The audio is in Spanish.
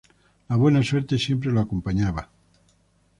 La buena suerte siempre lo acompañaba.